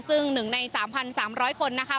ซึ่งหนึ่งใน๓๓๐๐คนนะคะ